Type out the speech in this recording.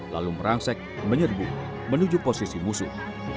lalu merangsek menyerbu menuju posisi musuh